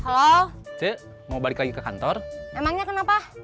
halo cek mau balik lagi ke kantor emangnya kenapa